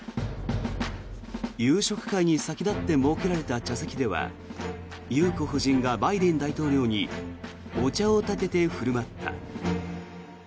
夕食会に先立って設けられた茶席では裕子夫人がバイデン大統領にお茶をたてて振る舞った。